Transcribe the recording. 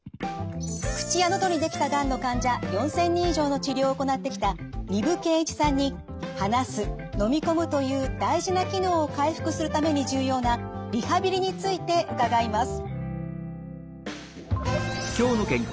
口や喉にできたがんの患者４，０００人以上の治療を行ってきた丹生健一さんに「話す」「のみ込む」という大事な機能を回復するために重要なリハビリについて伺います。